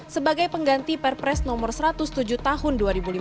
sebagai pengganti perpres nomor satu ratus tujuh tahun dua ribu lima belas